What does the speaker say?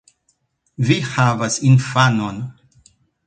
Vi havas infanon!